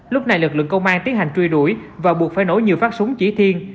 lúc này lực lượng công an tiến hành truy đuổi và buộc phải nổ nhiều phát súng chỉ thiên